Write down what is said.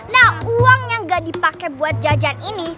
nah uang yang gak dipakai buat jajan ini